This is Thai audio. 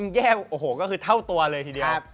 แยกโอ้โหก็คือเท่าตัวเลยทีเดียว